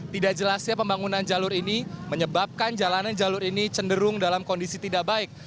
tidak jelasnya pembangunan jalur ini menyebabkan jalanan jalur ini cenderung dalam kondisi tidak baik